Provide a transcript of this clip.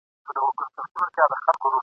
نه پوهیږو ماتوو د چا هډونه ..